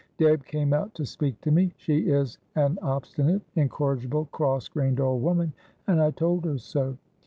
Deb came out to speak to me; she is an obstinate, incorrigible, cross grained old woman, and I told her so.